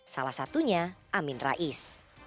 salah satunya amin rais